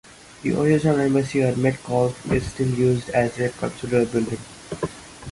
The original embassy on Metcalfe is still used as a consular building.